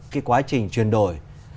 cái quá trình chuyển đổi